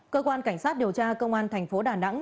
cơ quan cảnh sát điều tra công an thành phố đà nẵng